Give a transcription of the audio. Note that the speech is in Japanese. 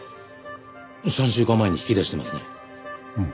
３週間前に引き出してますね。